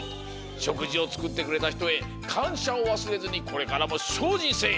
しょくじをつくってくれたひとへかんしゃをわすれずにこれからもしょうじんせい！